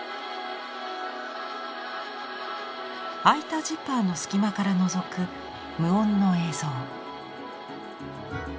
開いたジッパーの隙間からのぞく無音の映像。